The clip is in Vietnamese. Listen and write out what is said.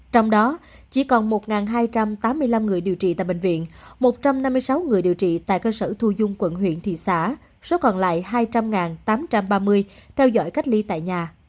trong đó chỉ còn một hai trăm tám mươi năm người điều trị tại bệnh viện một trăm năm mươi sáu người điều trị tại cơ sở thu dung quận huyện thị xã số còn lại hai trăm linh tám trăm ba mươi theo dõi cách ly tại nhà